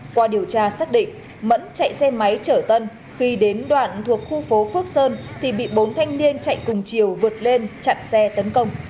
qua điều tra xác định mẫn chạy xe máy trở tân khi đến đoạn thuộc khu phố phước sơn thì bị bốn thanh niên chạy cùng chiều vượt lên chặn xe tấn công